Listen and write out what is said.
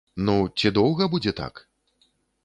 Ну, ці доўга будзе так?!